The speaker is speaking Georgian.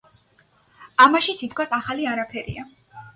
ამაში თითქოს ახალი არაფერია.